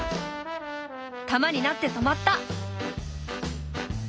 玉になってとまった。